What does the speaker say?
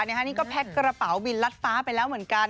นี่ก็แพ็กกระเป๋าบินรัดฟ้าไปแล้วเหมือนกัน